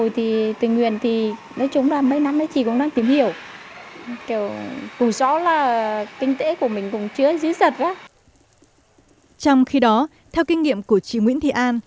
trong khi đó theo kinh nghiệm của chị nguyễn thị an